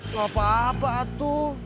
nggak apa apa atu